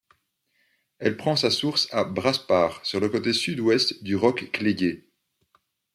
Elle prend sa source à Brasparts, sur le côté sud-ouest du Roc'h Cléguer.